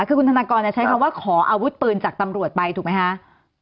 คือคุณธนากรใช้คำว่าขออาวุธปืนจากตำรวจไปถูกไหมคะ